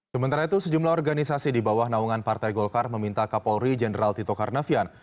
sementara itu sejumlah organisasi di bawah naungan partai golkar meminta kapolri jenderal tito karnavian